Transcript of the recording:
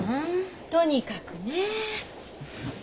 「とにかく」ねえ。